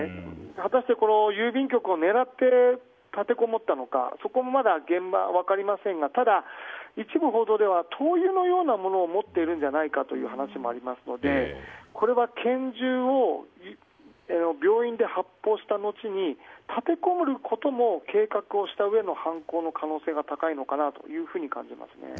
果たして、郵便局を狙って立てこもったのかそこはまだ現場、分かりませんがただ、一部報道では灯油のようなものを持っているんじゃないかという話もありますのでこれは拳銃を病院で発砲したあとに立てこもることも計画したうえでの犯行の可能性が高いのかなというふうに感じますね。